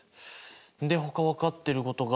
でほか分かってることが。